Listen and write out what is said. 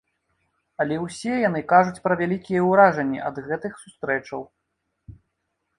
Але ўсе яны кажуць пра вялікія ўражанні ад гэтых сустрэчаў.